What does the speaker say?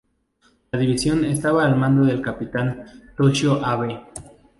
La división estaba al mando del capitán Toshio Abe.